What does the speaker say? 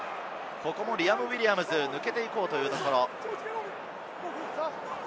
リアム・ウィリアムズ、抜けていこうというところ。